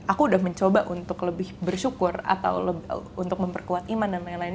aku udah mencoba untuk lebih bersyukur atau untuk memperkuat iman dan lain lain